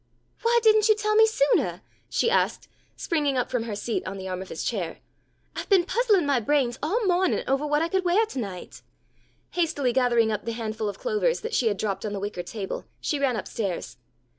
"Why didn't you tell me soonah?" she asked, springing up from her seat on the arm of his chair. "I've been puzzling my brains all mawning ovah what I could weah tonight." Hastily gathering up the handful of clovers that she had dropped on the wicker table, she ran upstairs.